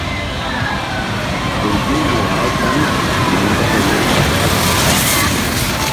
Fe ziŋna wah gbam na ndɔk wo.